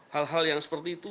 hal hal yang seperti itu